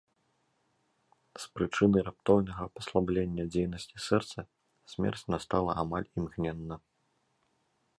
З прычыны раптоўнага паслаблення дзейнасці сэрца смерць настала амаль імгненна.